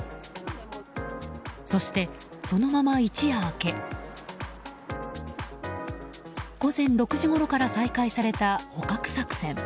そして、そのまま一夜明け午前６時ごろから再開された捕獲作戦。